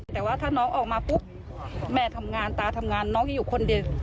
แต่ว่าถ้าน้องออกมาปุ๊บแม่ทำงานตาทำงานน้องจะอยู่คนเดียว